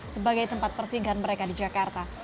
sebagai tempat persinggahan mereka di jakarta